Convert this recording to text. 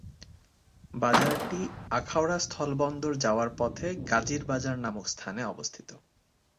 বাজারটি আখাউড়া স্থল বন্দর যাওয়ার পথে গাজীর বাজার নামক স্থানে অবস্থিত।